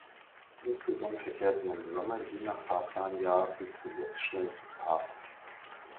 Insgesamt verkehrten im Sommer je nach Fahrplanjahr bis zu sechs Schnellzugpaare.